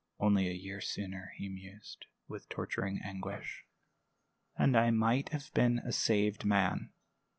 "Only a year sooner," he mused, with torturing anguish, "and I might have been a saved man!